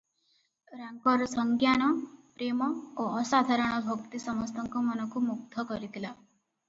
ରାଙ୍କର ସଂଜ୍ଞାନ, ପ୍ରେମ ଓ ଅସାଧାରଣ ଭକ୍ତି ସମସ୍ତଙ୍କ ମନକୁ ମୁଗ୍ଧ କରିଥିଲା ।